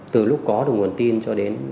từ lúc có được nguồn tin cho đến